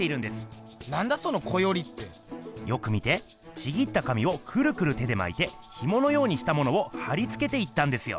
ちぎった紙をくるくる手でまいてひものようにしたものを貼りつけていったんですよ。